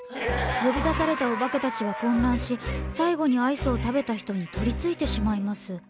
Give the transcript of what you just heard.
呼び出されたおばけたちは混乱し最後にアイスを食べた人に取りついてしまいます。